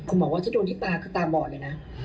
คุณหมอว่าถ้าโดนที่ตาก็ตาบอดเลยนะ